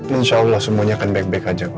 insya allah semuanya akan baik baik aja